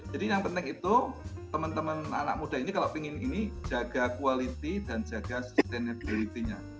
jadi yang penting itu teman teman anak muda ini kalau ingin ini jaga kualiti dan jaga sustainability nya